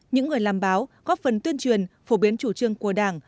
những người làm báo góp phần tuyên truyền phổ biến chủ trương của đảng